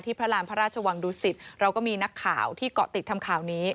พระรามพระราชวังดุสิตเราก็มีนักข่าวที่เกาะติดทำข่าวนี้